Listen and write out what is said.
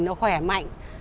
nó khỏe mạnh